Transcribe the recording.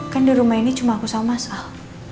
kan di rumah ini cuma aku sama sal